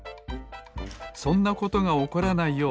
そんなことがおこらないよう